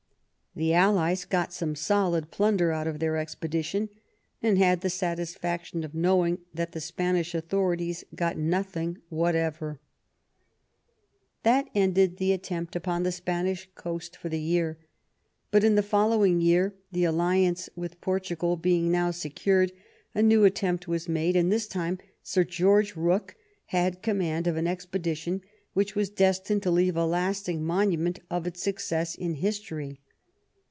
The allies got some solid plunder out of their expedition, and had the satisfaction of knowing that the Spanish authorities got nothing whatever. 124 PETERBOROUGH IN SPAIN That ended the attempt upon the Spanish coast for the year. But in the following year, the alliance with Portugal being now secured, a new attempt was made, and this time Sir George Eooke had command of an expedition which was destined to leave a lasting monu ment of its success in history.